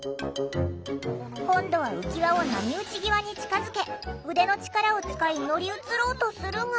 今度は浮き輪を波打ち際に近づけ腕の力を使い乗り移ろうとするが。